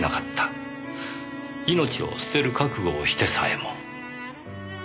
命を捨てる覚悟をしてさえも。